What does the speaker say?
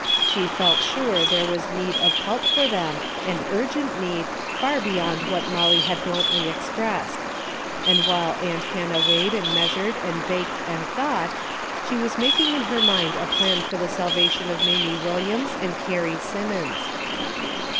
She felt sure there was need of help for them, and urgent need, far beyond what Molly had bluntly expressed. And while aunt Hannah weighed and measured and baked and thought, she was making in her mind a plan for the salvation of Mamie Wil liams and Carrie Simmons.